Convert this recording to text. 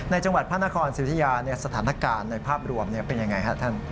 จังหวัดพระนครสิทธิยาสถานการณ์ในภาพรวมเป็นยังไงครับท่าน